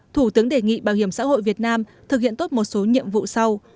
thủ tướng đề nghị bảo hiểm xã hội việt nam thực hiện tốt một số nhiệm vụ sau